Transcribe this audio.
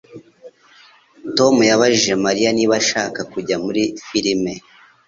Tom yabajije Mariya niba ashaka kujya muri firime.